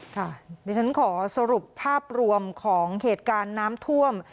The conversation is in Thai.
ดิฉันขอสรุปภาพรวมของเหตุการณ์น้ำท่วม